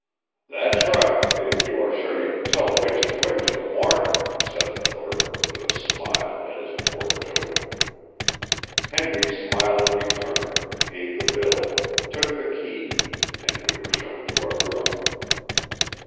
"That's right if you are sure you can tell which is which in the morning," said the clerk, with a smile at his poor joke. Henry smiled in return, paid the bill, took the key, and we were shown to our room.